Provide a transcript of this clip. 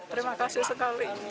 terima kasih sekali